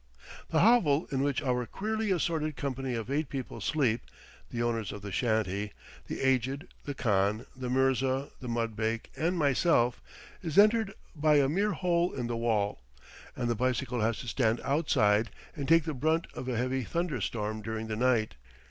The hovel in which our queerly assorted company of eight people sleep the owners of the shanty, "The Aged," the khan, the mirza, the mudbake, and myself is entered by a mere hole in the wall, and the bicycle has to stand outside and take the brunt of a heavy thunder storm during the night.